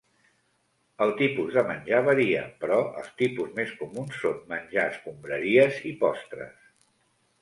El tipus de menjar varia, però els tipus més comuns són menjar escombraries i postres.